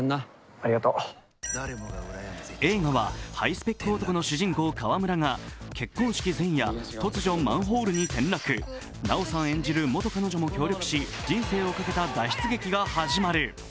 映画はハイスペック男の主人公・川村が結婚式前夜、突如マンホールに転落奈緒さん演じる元彼女も協力し、人生をかけた脱出劇が始まる。